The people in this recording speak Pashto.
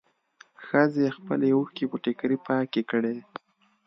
ښځې خپلې اوښکې په ټيکري پاکې کړې.